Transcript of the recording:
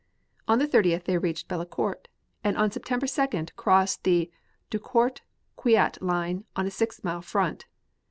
On the 30th they reached Bullecourt and on September 2d crossed the Drocourt Queant line on a six mile front.